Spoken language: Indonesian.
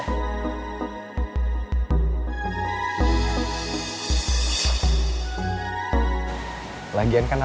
aku nggak bakalan marah kok